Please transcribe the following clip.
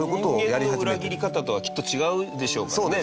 いとう：人間の裏切り方とかはきっと違うでしょうからね